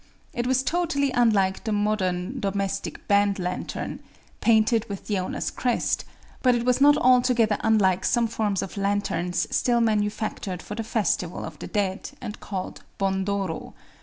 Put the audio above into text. It was totally unlike the modern domestic band lantern, painted with the owner's crest; but it was not altogether unlike some forms of lanterns still manufactured for the Festival of the Dead, and called Bon dōrō.